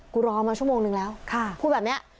รอมาชั่วโมงนึงแล้วพูดแบบนี้